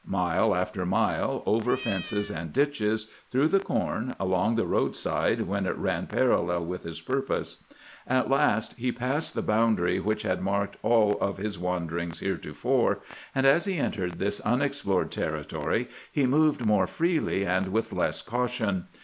Mile after mile, over fences and ditches, through the corn, along the roadside when it ran parallel with his purpose. At last he passed the boundary which had marked all of his wanderings heretofore, and as he entered this unexplored territory he moved more freely and with less caution.